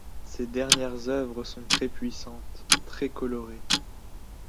Ses dernières œuvres sont très puissantes, très colorées.